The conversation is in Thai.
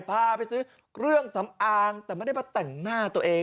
พาไปซื้อเครื่องสำอางแต่ไม่ได้มาแต่งหน้าตัวเอง